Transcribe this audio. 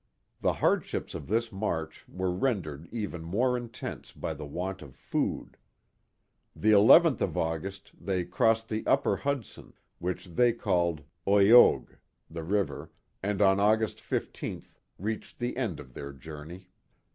The hardships of this march were rendered even more intense by the want of food. The nth of August they crossed the upper Hudson, which they called Oiogue (the river), and on August 15th reached the end of their journey.